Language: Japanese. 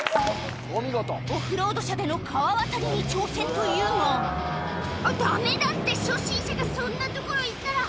オフロード車での川渡りに挑戦というが、だめだって、初心者がそんな所へ行ったら。